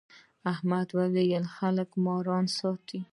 احمد وويل: خلک ماران ساتي.